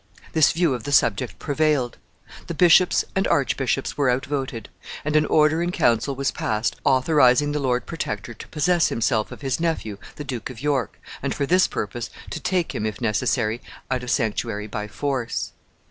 This view of the subject prevailed. The bishops and archbishops were outvoted, and an order in council was passed authorizing the Lord Protector to possess himself of his nephew, the Duke of York, and for this purpose to take him, if necessary, out of sanctuary by force.